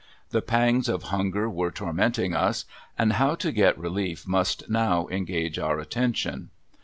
The pangs of hunger were tormenting us, and how to get relief must now engage our attention.